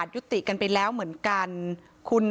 มาดูบรรจากาศมาดูความเคลื่อนไหวที่บริเวณหน้าสูตรการค้า